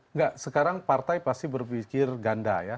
enggak sekarang partai pasti berpikir ganda ya